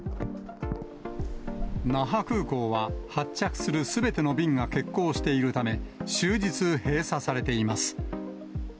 那覇空港は発着するすべての便が欠航しているため、終日閉鎖されています。